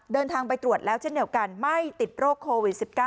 เดินทางไปตรวจแล้วเช่นเดียวกันไม่ติดโรคโควิด๑๙